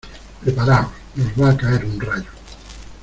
¡ preparaos! nos va a caer un rayo.